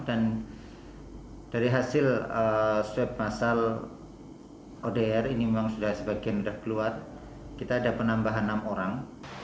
dan dari hasil swab masal odr ini memang sudah sebagian udah keluar kita ada penambahan enam orang